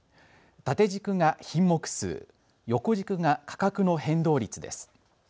縦軸が品目数、横軸が価格の変動率です。